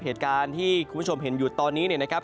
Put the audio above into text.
เหตุการณ์ที่คุณผู้ชมเห็นอยู่ตอนนี้เนี่ยนะครับ